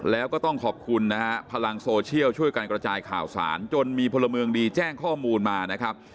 แล้วก็ต้องขอบคุณนะฮะพลังโซเชียลช่วยการกระจายข่าวสารจนมีพลเมืองดีแจ้งข้อมูลมานะครับ